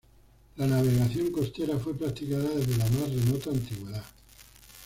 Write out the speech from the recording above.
La navegación costera fue practicada desde la más remota antigüedad.